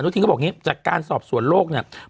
ทินก็บอกอย่างนี้จากการสอบสวนโลกเนี่ย